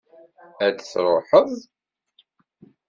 Ad truḥeḍ?